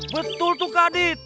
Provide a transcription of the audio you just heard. betul tuh kak dit